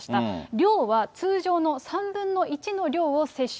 量は通常の３分の１の量を接種。